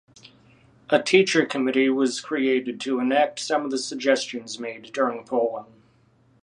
A teacher committee was created to enact some of the suggestions made during polling.